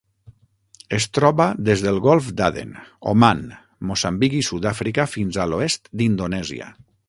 Es troba des del Golf d'Aden, Oman, Moçambic i Sud-àfrica fins a l'oest d'Indonèsia.